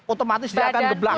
otomatis dia akan geblak